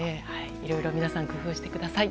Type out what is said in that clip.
いろいろ皆さん工夫してください。